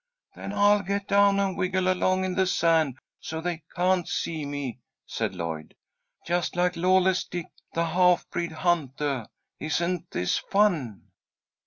"Then I'll get down and wiggle along in the sand so they can't see me," said Lloyd, "just like 'Lawless Dick, the Half breed Huntah.' Isn't this fun!"